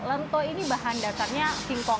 lento ini bahan dasarnya singkong